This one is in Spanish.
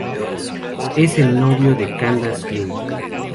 Es el novio de Candace Flynn.